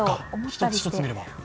一つ一つ見れば。